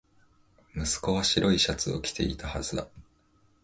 息子は白いシャツを着ていたはずだ